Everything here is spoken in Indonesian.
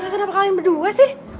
kenapa kalian berdua sih